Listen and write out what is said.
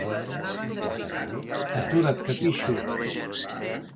Atura't, que pixo!